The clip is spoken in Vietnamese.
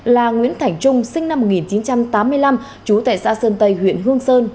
là nguyễn thành trung sinh năm một nghìn chín trăm tám mươi năm chú tệ xã sơn tây huyện hương sơn